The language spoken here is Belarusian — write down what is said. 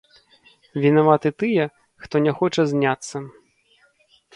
Вінаваты тыя, хто не хоча зняцца.